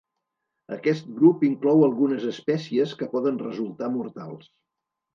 Aquest grup inclou algunes espècies que poden resultar mortals.